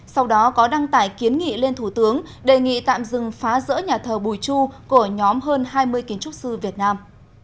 sau đó có đăng tải kiến nghị lên thủ tướng đề nghị tạm dừng phá rỡ nhà thờ bùi chu của nhóm hơn hai mươi kiến trúc sư việt nam